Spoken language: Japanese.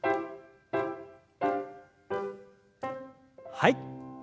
はい。